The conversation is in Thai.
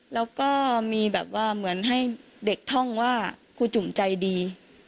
แล้วก็มีแบบว่าเหมือนให้เด็กท่องว่าครูจุ่มใจดี